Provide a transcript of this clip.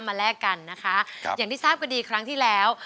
แลกกันนะคะอย่างที่ทราบกันดีครั้งที่แล้ว